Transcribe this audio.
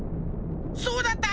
そうだった！